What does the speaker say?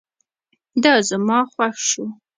دا زما خوښ شو